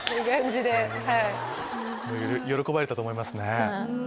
喜ばれたと思いますね。